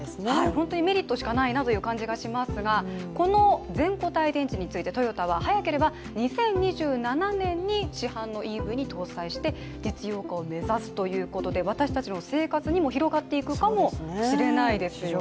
本当にメリットしかないなという感じなんですがこの全固体電池について、トヨタは早ければ２０２７年に市販のＥＶに搭載して実用化を目指すということで私たちの生活にも広がっていくかもしれないですよね。